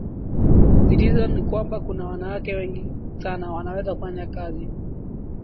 zilizo na kwamba kuna wanawake wengi sana wanaweza kufanya kazi